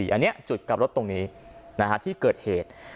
อันนี้จุดกลับรถตรงนี้ที่เกิดเหตุ